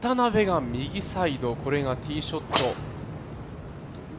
そして渡邉が右サイド、これがティーショット。